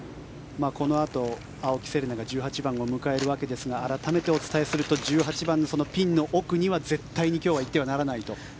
このあと青木瀬令奈が１８番を迎えるわけですが改めてお伝えすると、１８番ピンの奥には今日は絶対に行ってはならないと。